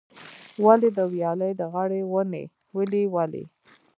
ولي، د ویالې د غاړې ونې ولې ولي؟